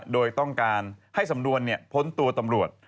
โดยต้องการให้สำนวนพ้นตัวตำรวจ